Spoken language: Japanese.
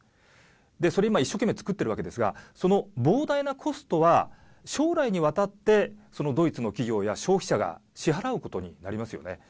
で、それ今一生懸命造っているわけですがその膨大なコストは将来にわたってそのドイツの企業や消費者が支払うことになりますよね。